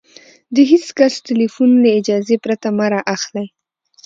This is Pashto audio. د هېڅ کس ټلیفون له اجازې پرته مه را اخلئ!